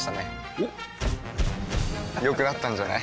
おっ良くなったんじゃない？